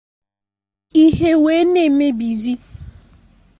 ihe wee na-emebisizị